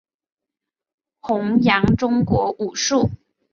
宏杨中国武术。